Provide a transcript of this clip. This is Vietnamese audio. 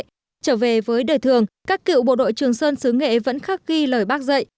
trở về với đời thường các cựu bộ đội trường sơn xứ nghệ vẫn khắc ghi lời bác dạy